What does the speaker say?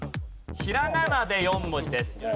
ひらがなで４文字です。